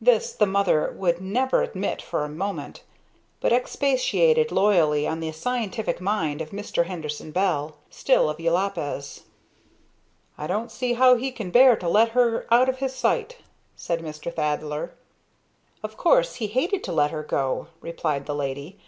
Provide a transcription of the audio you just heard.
This the mother would never admit for a moment, but expatiated loyally on the scientific mind of Mr. Henderson Bell, still of Jopalez. "I don't see how he can bear to let her out of his sight," said Mr. Thaddler. "Of course he hated to let her go," replied the lady.